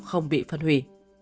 không bị phân hủy